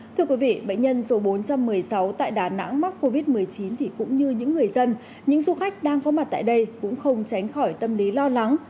thưa quý vị bệnh nhân số bốn trăm một mươi sáu tại đà nẵng mắc covid một mươi chín thì cũng như những người dân những du khách đang có mặt tại đây cũng không tránh khỏi tâm lý lo lắng